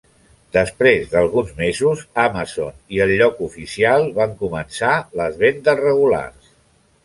Després d'alguns mesos, Amazon i el lloc oficial van començar les vendes regulars.